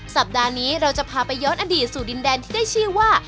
สัปดาห์นี้เราจะพาไปย้อนอดีตสู่ดินแดนที่ได้ชื่อว่า